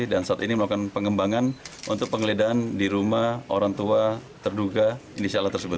dan saat ini melakukan pengembangan untuk pengeledahan di rumah orang tua terduga inisial tersebut